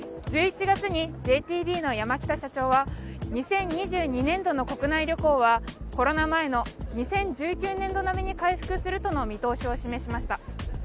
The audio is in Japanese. １１月にＪＴＢの山北社長は２０２２年度の国内旅行はコロナ前の２０１９年度並みに回復するとの見通しを示しました。